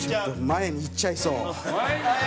前に行っちゃいそう。